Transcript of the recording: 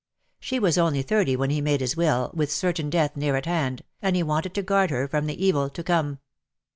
She was only thirty when he made his will, with certain death near at hand, and he wanted to guard her from the evil to come.